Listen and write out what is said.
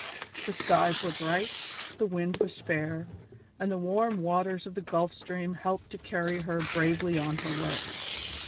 The skies were bright, the wind was fair, and the warm waters of the Gulf Stream helped to carry her bravely on her way.